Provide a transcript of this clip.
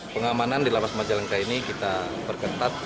pengamanan di lapas majalengka ini kita perketat